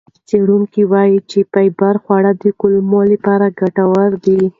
څېړونکي وایي چې فایبر خواړه د کولمو لپاره ګټور دي.